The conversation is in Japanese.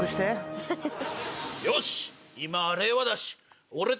よし。